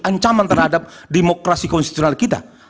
ancaman terhadap demokrasi konstitusional kita